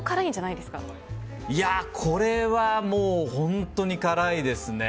これはもう、本当に辛いですね。